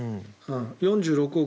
４６億